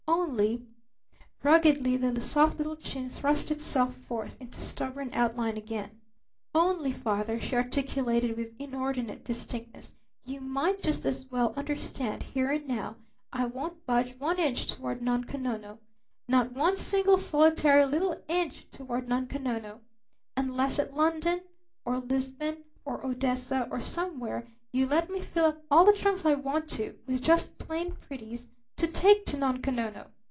"Only " ruggedly the soft little chin thrust itself forth into stubborn outline again. "Only, Father," she articulated with inordinate distinctness, "you might just as well understand here and now, I won't budge one inch toward Nunko Nono not one single solitary little inch toward Nunko Nono unless at London, or Lisbon, or Odessa, or somewhere, you let me fill up all the trunks I want to with just plain pretties to take to Nunko Nono!